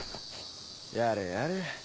やれやれ。